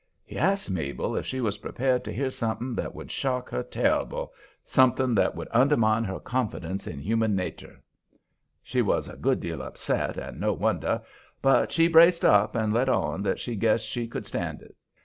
He asked Mabel if she was prepared to hear something that would shock her turrible, something that would undermine her confidence in human natur'. She was a good deal upset, and no wonder, but she braced up and let on that she guessed she could stand it.